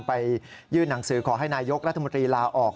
ไปยื่นหนังสือขอให้นายกรัฐมนตรีลาออก